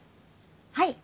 はい。